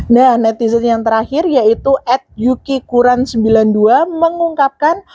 nah netizen yang terakhir yaitu ed yuki kuran sembilan puluh dua mengungkapkan